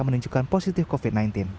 menunjukkan positif covid sembilan belas